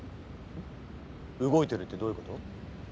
動いてるってどういうこと？